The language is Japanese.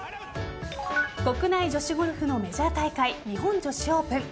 国内女子ゴルフのメジャー大会日本女子オープン。